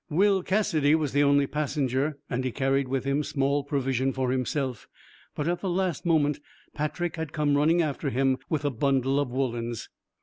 Will Cassidy was the only passenger, and he carried with him small provision for himself, but at the last moment Patrick had come running after him with a bundle of woollens.